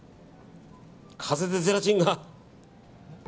風でゼラチンが。